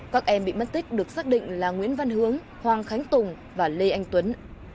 các em bị mất tích được xác định là nguyễn văn hướng hoàng khánh tùng và lê anh tuấn